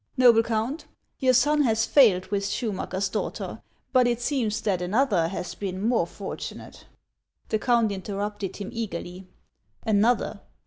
" Noble Count, your son has failed with Schurnacker's 170 HANS OF ICELAND. daughter ; but it seems that another has been more fortunate." The count interrupted, him eagerly. " Another